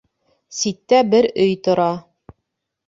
Ситтә бер өй тора.